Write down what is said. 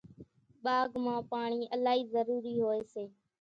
ٻاگھ مان پاڻِي الائِي ضرورِي هوئيَ سي۔